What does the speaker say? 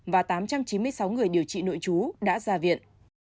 và tám trăm chín mươi sáu người điều trị nội chú đã ra viện